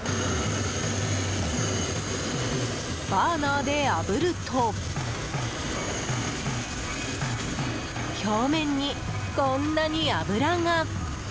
バーナーであぶると表面にこんなに脂が。